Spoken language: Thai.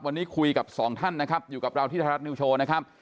วันนี้คุยกับสองท่านนะครับอยู่กับเราที่ไทยรัฐนิวโชว์นะครับ